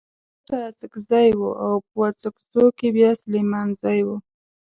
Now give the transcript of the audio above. په خټه اڅکزی و او په اڅګزو کې بيا سليمانزی و.